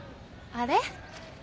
あれ？